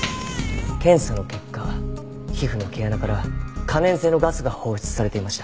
検査の結果皮膚の毛穴から可燃性のガスが放出されていました。